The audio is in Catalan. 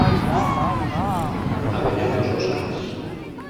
Ha guanyat dos Oscars.